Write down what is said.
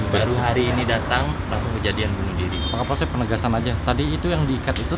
baru hari ini datang langsung kejadian bunuh diri penegasan aja tadi itu yang diikat itu